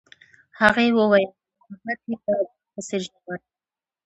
هغې وویل محبت یې د بام په څېر ژور دی.